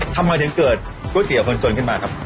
ทำไมถึงเกิดก๋วยเตี๋ยวคนจนขึ้นมาครับ